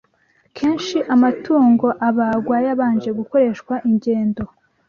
Kenshi amatungo abagwa yabanje gukoreshwa ingendo